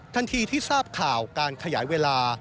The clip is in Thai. ทันทีที่ทราบข่าวการขยายเวลา